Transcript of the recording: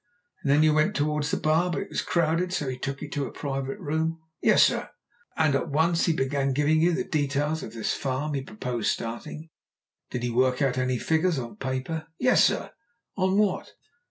"And then you went towards the bar, but it was crowded, so he took you to a private room?" "Yes, sir." "And once there he began giving you the details of this farm he proposed starting. Did he work out any figures on paper?" "Yes, sir." "On what?"